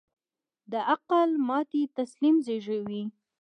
د عقل ماتې تسلیم زېږوي.